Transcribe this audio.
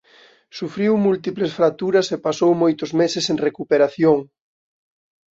Sufriu múltiples fracturas e pasou moitos meses en recuperación.